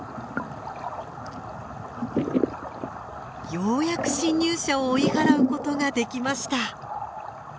ようやく侵入者を追い払うことができました。